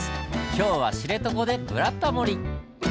今日は知床で「ブラタモリ」！